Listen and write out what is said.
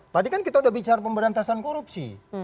tadi kan kita udah bicara pemberantasan korupsi